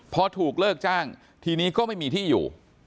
พอถูกเลิกจ้างทีนี้ก็ไม่มีที่อยู่